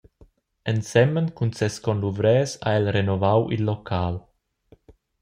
Ensemen cun ses conluvrers ha el renovau il local.